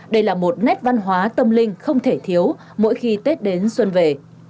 đây là một nét văn hóa tâm linh không thể thiếu mỗi khi tết đến xuân về